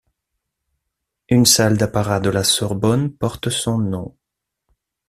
Une salle d'apparat de la Sorbonne porte son nom.